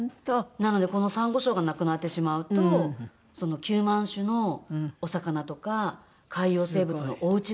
なのでこのサンゴ礁がなくなってしまうと９万種のお魚とか海洋生物のおうちが。